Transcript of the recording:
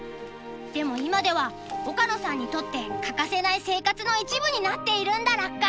でも今では岡野さんにとって欠かせない生活の一部になっているんだラッカ。